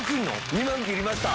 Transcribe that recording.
２万切りました。